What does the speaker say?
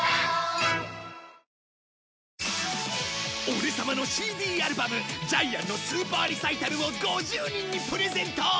オレ様のＣＤアルバム『ジャイアンのスーパーリサイタル』を５０人にプレゼント！